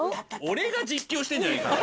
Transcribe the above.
俺が実況してんじゃねえか！